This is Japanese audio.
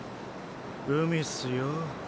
海っすよ。